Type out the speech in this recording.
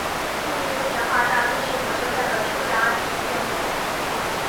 目的为简化大都市火车站的出闸业务。